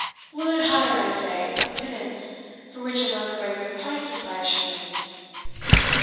Will it hire, I say, a pinnace, for which alone the regular price is five shillings?"